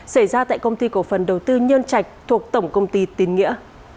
xảy ra tại công ty cổ phần đầu tư nhân trạch thuộc tổng công ty tín nghĩa